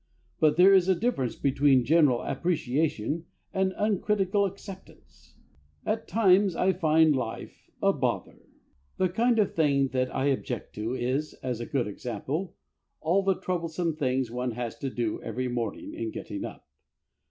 But there is a difference between general appreciation and uncritical acceptance. At times I find life a Bother. The kind of thing that I object to is, as a good example, all the troublesome things one has to do every morning in getting up.